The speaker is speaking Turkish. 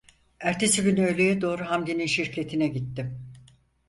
Ertesi gün, öğleye doğru Hamdi'nin şirketine gittim.